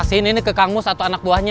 insudah nanti lernen juga sama kita ya